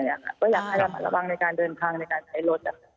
ก็อยากให้ระมัดระวังในการเดินทางในการใช้รถ